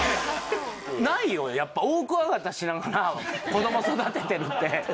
ないよやっぱオオクワガタしながら子供育ててるって。